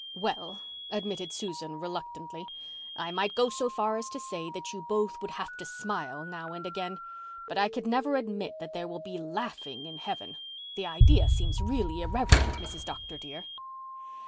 "Well," admitted Susan reluctantly, "I might go so far as to say that you both would have to smile now and again, but I can never admit that there will be laughing in heaven. The idea seems really irreverent, Mrs. Dr. dear."